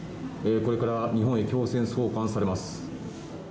これから日本へ強制送還されます。